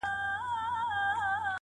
د ژوند پر هره لاره و بلا ته درېږم~